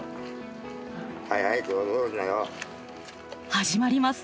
始まります。